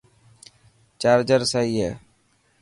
چارجر سئي هي.